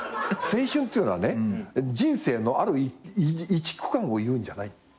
青春っていうのはね人生のある一区間をいうんじゃない。